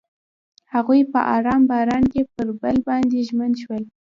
هغوی په آرام باران کې پر بل باندې ژمن شول.